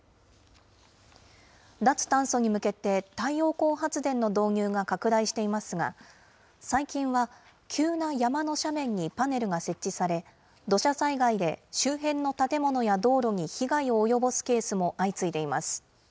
脱炭素に向けて、太陽光発電の導入が拡大していますが、最近は急な山の斜面にパネルが設置され、土砂災害で周辺の建物や道路に被害を及ぼすケースも相次いでいます。